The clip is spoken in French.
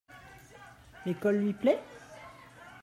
L’école lui plait ?